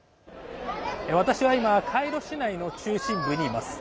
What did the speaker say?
私は今カイロ市内の中心部にいます。